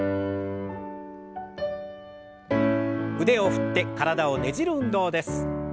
腕を振って体をねじる運動です。